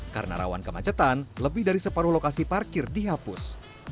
karena rawan kemacetan lebih dari separuh lokasi parkir dihapus